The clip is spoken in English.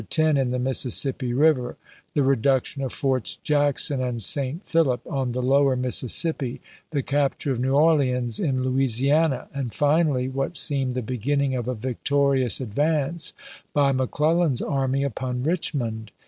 10 in the Mississippi River, the reduction of Forts Jackson and St. Philip on the lower Mississippi, the captui e of New Orleans in Louisiana, and finally, what seemed the beginning of a victorious advance by McClellan's army upon Richmond.